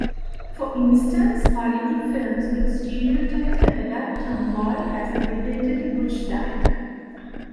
For instance, Hollywood films would stereotype the adult tomboy as a "predatory butch dyke".